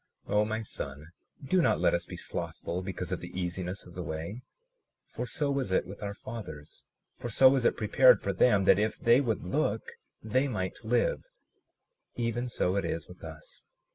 37:46 O my son, do not let us be slothful because of the easiness of the way; for so was it with our fathers; for so was it prepared for them, that if they would look they might live; even so it is with us.